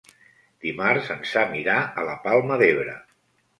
Dimarts en Sam irà a la Palma d'Ebre.